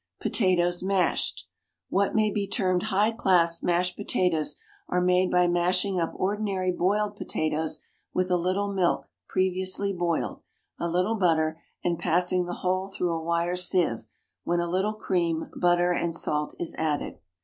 POTATOES, MASHED. What may be termed high class mashed potatoes are made by mashing up ordinary boiled potatoes with a little milk previously boiled, a little butter, and passing the whole through a wire sieve, when a little cream, butter and salt is added.